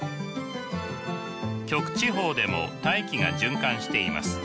極地方でも大気が循環しています。